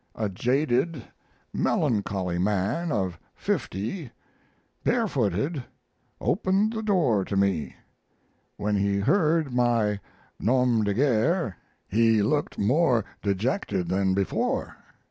A jaded, melancholy man of fifty, barefooted, opened the door to me. When he heard my 'nom de guerre' he looked more dejected than before.